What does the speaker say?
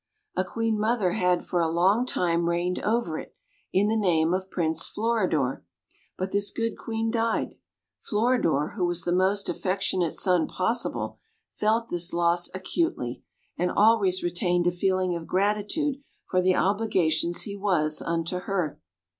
A Queen Mother had for a long time reigned over it, in the name of Prince Floridor; but this good Queen died. Floridor, who was the most affectionate son possible, felt this loss acutely, and always retained a feeling of gratitude for the obligations he was under to her.